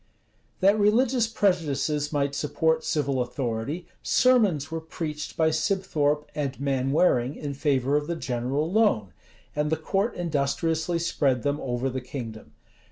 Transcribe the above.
That religious prejudices might support civil authority, sermons were preached by Sibthorpe and Manwaring, in favor of the general loan; and the court industriously spread them over the kingdom.